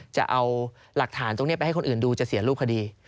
จะเอาหลักฐานตรงนี้ไปให้คนอื่นดูจะเสียรูปคดี